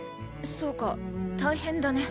そうか大変だね。